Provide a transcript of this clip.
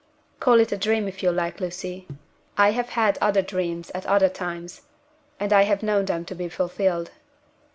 "Call it a dream if you like, Lucy. I have had other dreams at other times and I have known them to be fulfilled."